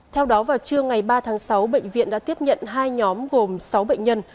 theo đó vào trưa ngày ba tháng sáu bệnh viện đã tiếp nhận hai nhóm gồm sáu bệnh nhân